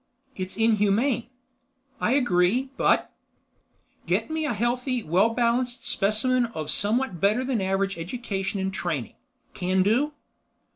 "It's inhumane." "I agree, but—?" "Get me a healthy, well balanced specimen of somewhat better than average education and training. Can do?"